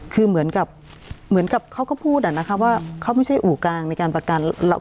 คือเหมือนกับเหมือนกับเขาก็พูดอะนะคะว่าเขาไม่ใช่อู่กลางในการประกัน